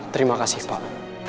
terima kasih pak